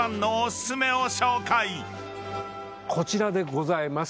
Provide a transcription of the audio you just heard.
こちらでございます。